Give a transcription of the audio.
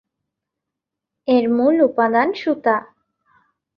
এর মূল উপাদান সুতা।